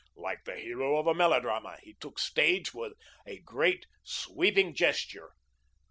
Like the hero of a melodrama, he took stage with a great sweeping gesture.